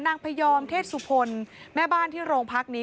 พยอมเทศสุพลแม่บ้านที่โรงพักนี้